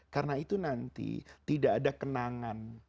karena itu nanti tidak ada kenangan